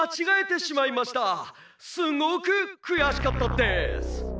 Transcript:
すごくくやしかったです」。